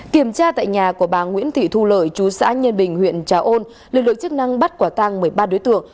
kiểm tra tại nhà của bà nguyễn thị thu lợi chú xã nhân bình huyện trà ôn lực lượng chức năng bắt quả tang một mươi ba đối tượng